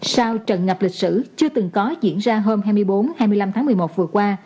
sau trận ngập lịch sử chưa từng có diễn ra hôm hai mươi bốn hai mươi năm tháng một mươi một vừa qua